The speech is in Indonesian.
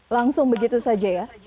langsung begitu saja ya